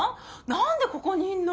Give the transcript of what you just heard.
何でここにいんの？